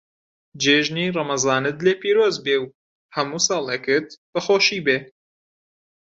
جێژنی ڕەمەزانت لێ پیرۆز بێ و هەموو ساڵێکت بە خۆشی بێ.